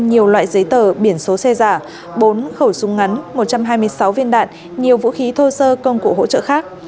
nhiều loại giấy tờ biển số xe giả bốn khẩu súng ngắn một trăm hai mươi sáu viên đạn nhiều vũ khí thô sơ công cụ hỗ trợ khác